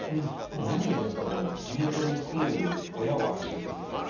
何よりやっぱこう地元に住んでる親を安心させたいと。